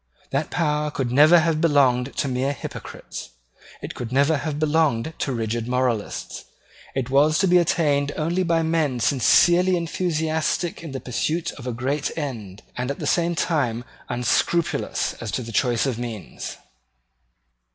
That power could never have belonged to mere hypocrites. It could never have belonged to rigid moralists. It was to be attained only by men sincerely enthusiastic in the pursuit of a great end, and at the same time unscrupulous as to the choice of means.